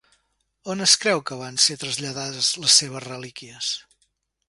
On es creu que van ser traslladades les seves relíquies?